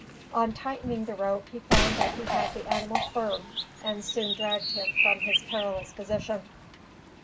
On tightening the rope he found that he had the animal firm, and soon dragged him from his perilous position.